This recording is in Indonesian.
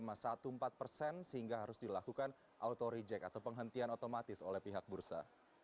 rp enam puluh sembilan empat belas persen sehingga harus dilakukan auto reject atau penghentian otomatis oleh pihak bursa